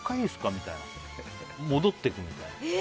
みたいな戻っていくみたいな。